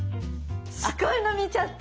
すごいの見ちゃった！